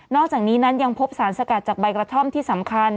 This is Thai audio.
อกจากนี้นั้นยังพบสารสกัดจากใบกระท่อมที่สำคัญ